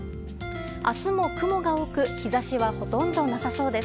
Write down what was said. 明日も雲が多く日差しはほとんどなさそうです。